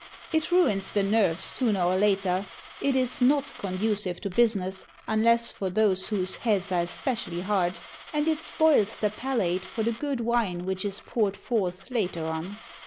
It ruins the nerves, sooner or later; it is not conducive to business, unless for those whose heads are especially hard; and it spoils the palate for the good wine which is poured forth later on.